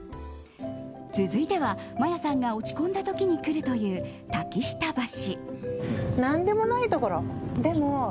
続いては、マヤさんが落ち込んだ時に来るという滝下橋。